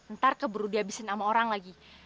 ntar keburu dihabisin sama orang lagi